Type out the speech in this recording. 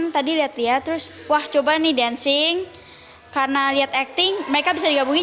tadi lihat lihat terus wah coba nih dancing karena lihat acting mereka bisa digabungin